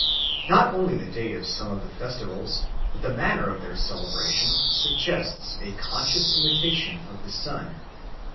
Not only the date of some of the festivals but the manner of their celebration suggests a conscious imitation of the sun.